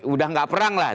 udah nggak perang lah